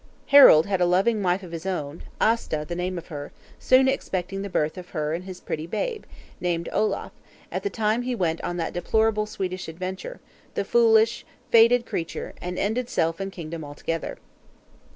Harald had a loving wife of his own, Aasta the name of her, soon expecting the birth of her and his pretty babe, named Olaf, at the time he went on that deplorable Swedish adventure, the foolish, fated creature, and ended self and kingdom altogether.